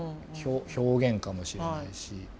表現かもしれないし。